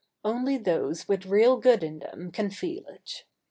Only those with real good in them can feel it.